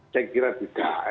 saya kira tidak